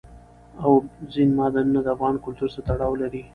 اوبزین معدنونه د افغان کلتور سره تړاو لري.